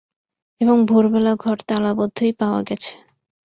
এবং ভোরবেলা ঘর তালাবন্ধই পাওয়া গেছে।